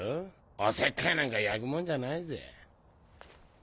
おせっかいなんか焼くもんじゃないぜ。